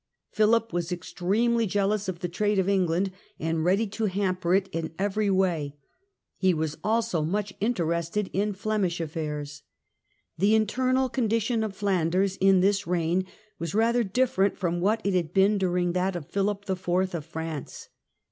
Philip was extremely jealous of the trade of England, and ready to hamper it in every way ; he was also much interested in Flemish affairs. The internal condition of Flanders in this reign was rather different from what it had been during that of Philip IV. of France.